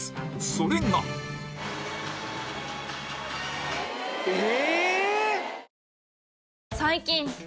それがえ